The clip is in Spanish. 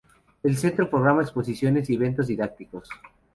El centro programa exposiciones y eventos didácticos.